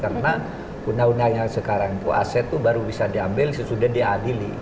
karena undang undang yang sekarang itu aset itu baru bisa diambil sesudah diadili